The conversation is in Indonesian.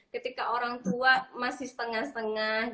ketika orang tua masih setengah setengah